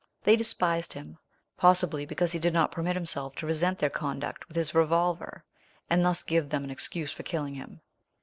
They despised him, possibly because he did not permit himself to resent their conduct with his revolver, and thus give them an excuse for killing him.